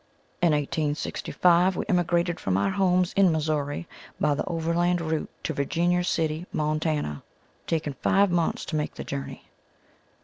In 1865 we emigrated from our homes in Missourri by the overland route to Virginia City, Montana, taking five months to make the journey.